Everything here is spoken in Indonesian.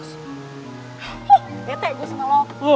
huh bete gue sama lo